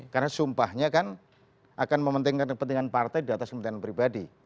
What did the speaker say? karena sumpahnya kan akan mementingkan kepentingan partai di atas kepentingan pribadi